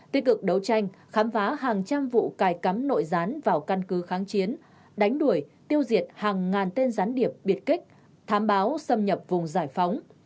tích cực đấu tranh khám phá hàng trăm vụ cài cắm nội gián vào căn cứ kháng chiến đánh đuổi tiêu diệt hàng ngàn tên gián điệp biệt kích thám báo xâm nhập vùng giải phóng